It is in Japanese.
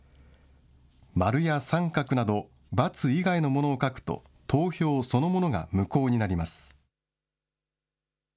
〇や△など、×以外のものを書くと、投票そのものが無効になります。